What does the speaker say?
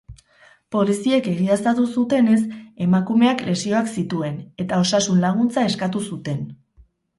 Poliziek egiaztatu zutenez, emakumeak lesioak zituen, eta osasun-laguntza eskatu zuten.